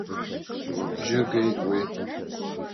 Лыбжьы геит уи.